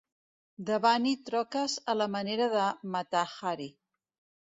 Debani troques a la manera de Mata-Hari.